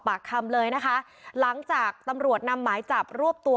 ปากคำเลยนะคะหลังจากตำรวจนำหมายจับรวบตัว